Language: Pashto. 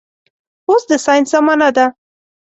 اوس د ساينس زمانه ده